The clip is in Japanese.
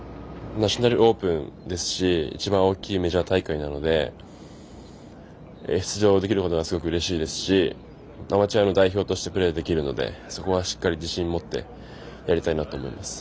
ナショナルオープンですし一番大きいメジャー大会なので出場できることがすごくうれしいですしアマチュアの代表としてプレーできるのでそこはしっかり自信を持ってやりたいなと思います。